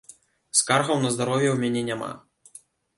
Скаргаў на здароўе у мяне няма.